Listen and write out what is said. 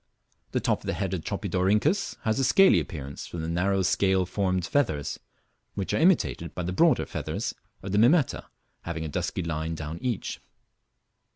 The top of the head of the Tropidorhynchus has a scaly appearance from the narrow scale formed feathers, which are imitated by the broader feathers of the Mimeta having a dusky line down each.